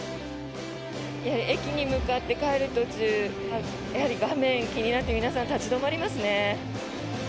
駅に向かって帰る途中やはり画面、気になって皆さん立ち止まりますね。